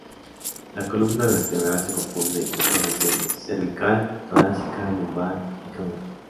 La columna vertebral se compone de cuatro regiones: cervical, torácica, lumbar y caudal.